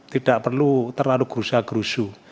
tidak perlu terlalu gerusa gerusu